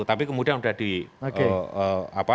tapi kemudian sudah di apa